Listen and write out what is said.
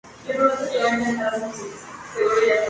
Cuenta con las voces de la cantante inglesa Tara McDonald.